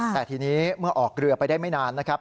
แต่ทีนี้เมื่อออกเรือไปได้ไม่นานนะครับ